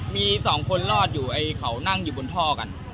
มีสองคนรอดอยู่ไอ้เขานั่งอยู่บนท่อกัน